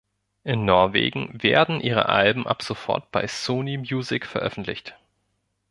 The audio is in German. In Norwegen werden ihre Alben ab sofort bei Sony Music veröffentlicht.